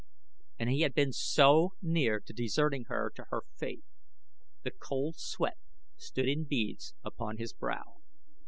And he had been so near to deserting her to her fate. The cold sweat stood in beads upon his brow.